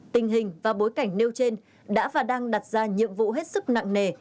tình hình và bối cảnh nêu trên đã và đang đặt ra nhiệm vụ hết sức nặng nề